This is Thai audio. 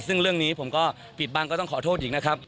ซึ่งเรื่องนี้ผมก็ปิดบังก็ต้องขอโทษอีกนะครับ